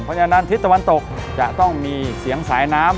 เพราะฉะนั้นทิศตะวันตกจะต้องมีเสียงสายน้ำ